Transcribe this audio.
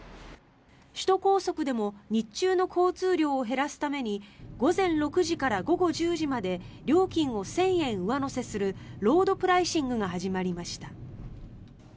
首都高速でも日中の交通量を減らすために午前６時から午後１０時まで料金を１０００円上乗せするロードプライシングが始まりました。